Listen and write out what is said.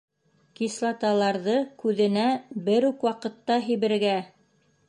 Кислоталарҙы күҙенә бер үк ваҡытта һибергә-ә-ә!